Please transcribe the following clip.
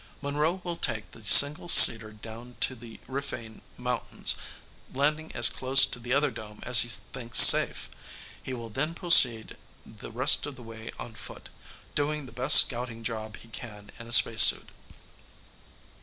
Monroe will take the single seater down to the Riphaen Mountains, landing as close to the other dome as he thinks safe. He will then proceed the rest of the way on foot, doing the best scouting job he can in a spacesuit.